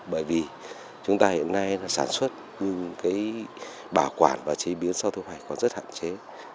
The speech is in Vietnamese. bởi vì chúng ta hiện nay sản xuất bảo quản và chế biến sau thu hoạch còn rất hạn chế